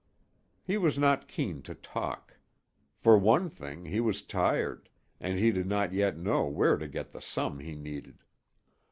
He was not keen to talk. For one thing, he was tired, and he did not yet know where to get the sum he needed.